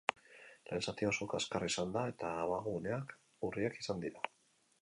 Lehen zatia oso kaskarra izan da, eta abaguneak urriak izan dira.